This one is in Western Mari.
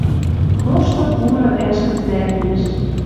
Тошты пуры ӓш гӹц лӓктеш